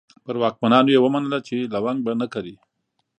پر واکمنانو یې ومنله چې لونګ به نه کري.